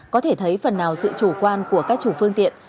có thể thấy phần nào sự chủ quan của các chủ phương tiện